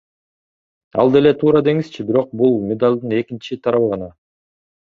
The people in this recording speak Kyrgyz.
Ал деле туура деңизчи, бирок бул медалдын экинчи тарабы гана.